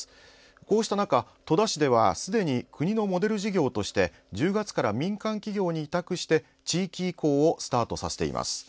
こうした中、戸田市ではすでに国のモデル事業として１０月から民間企業に委託して地域移行をスタートさせています。